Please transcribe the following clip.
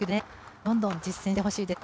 どんどん実践してほしいです。